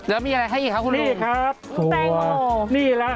แล้วมีอะไรให้ครับคุณลุงกระทิงกันหรือเปล่านี่ครับบัว